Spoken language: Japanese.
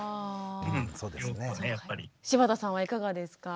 柴田さんはいかがですか？